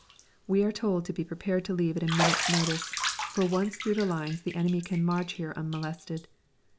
We are told to be prepared to leave at a minute's notice, for once through the lines the enemy can march here unmolested.